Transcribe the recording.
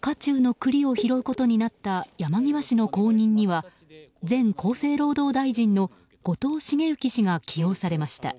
火中の栗を拾うことになった山際氏の後任には前厚生労働大臣の後藤茂之氏が起用されました。